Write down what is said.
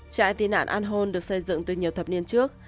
trại tị nạn anhon được xây dựng từ nhiều thập niên trước